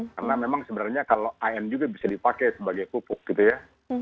karena memang sebenarnya kalau an juga bisa dipakai sebagai pupuk gitu ya